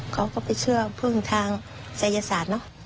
เขาก็ไปเชื่อพึ่งทางศัยศาสตร์เนอะ